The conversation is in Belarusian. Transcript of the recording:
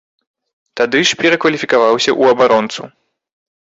Тады ж перакваліфікаваўся ў абаронцу.